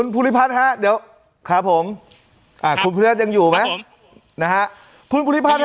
พุทธภัทรยังอยู่ไหม